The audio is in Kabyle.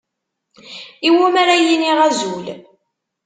Iwumi ara iniɣ azul?